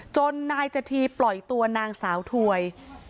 จนนายจธีปล่อยตัวนางสาวถวย